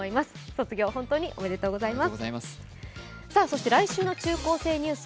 卒業、本当におめでとうございます。